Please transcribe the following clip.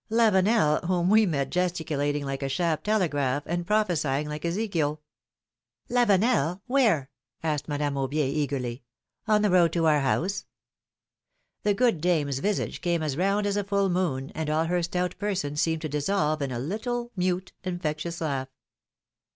^^Lavenel, whom we met gesticulating like a Chappe telegraph, and prophesy ing like Ezekiel." 100 philom^:ne's maeeiages. ^^Lavenel? Where asked Madame Aubier, eagerly. On the road to our house.^^ The good dame's visage became as round as a full moon, and all her stout person seemed to dissolve in a little, mute, infectious laugh.